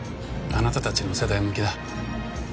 あなたたちの世代向きだ。